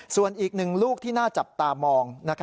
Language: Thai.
ส่วนอีกหนึ่งลูกที่น่าจับตามอง